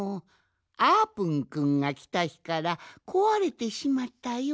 あーぷんくんがきたひからこわれてしまったようじゃ。